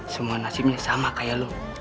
semua nasibnya sama kayak lo